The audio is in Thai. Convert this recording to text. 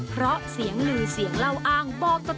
เพราะเสียงลือเสียงเล่าอ้างบอกกับ